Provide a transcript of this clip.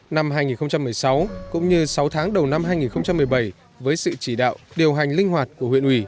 năm hai nghìn một mươi sáu cũng như sáu tháng đầu năm hai nghìn một mươi bảy với sự chỉ đạo điều hành linh hoạt của huyện ủy